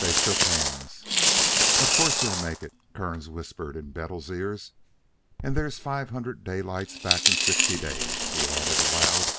They shook hands. "Of course he'll make it," Kearns whispered in Bettles' ear. "And there's five hundred Daylight's back in sixty days," he added aloud.